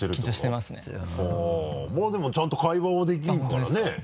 まぁでもちゃんと会話はできるからね。